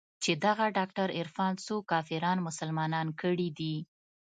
چې دغه ډاکتر عرفان څو کافران مسلمانان کړي دي.